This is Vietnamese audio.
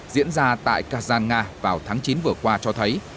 diễn ra tại kazan nga vào tháng chín vừa qua cho thấy